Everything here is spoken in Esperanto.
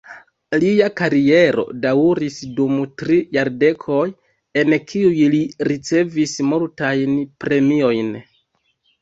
Lia kariero daŭris dum tri jardekoj, en kiuj li ricevis multajn premiojn.